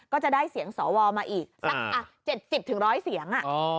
ก็จะได้เสียงสวมาอีกสัก๗๐๑๐๐เสียง